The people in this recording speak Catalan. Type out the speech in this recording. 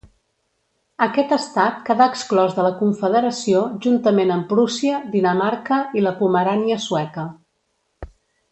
Aquest estat quedà exclòs de la Confederació juntament amb Prússia, Dinamarca i La Pomerània sueca.